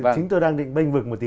chúng tôi đang định bênh vực một tí